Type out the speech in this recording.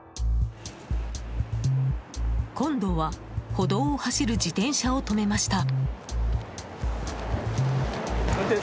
今度は、歩道を走る自転車を止めました。